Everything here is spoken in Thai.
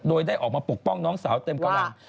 โดยได้ออกมาปกป้องน้องสาวเต็มกำลัง